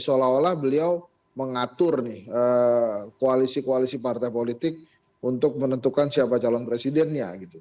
seolah olah beliau mengatur nih koalisi koalisi partai politik untuk menentukan siapa calon presidennya gitu